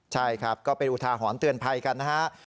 ใช่ครับก็เป็นอุทาหรณ์เตือนภัยกันนะครับ